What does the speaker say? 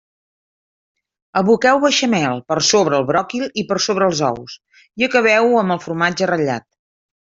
Aboqueu beixamel per sobre el bròquil i per sobre els ous, i acabeu-ho amb el formatge ratllat.